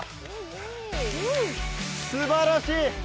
すばらしい。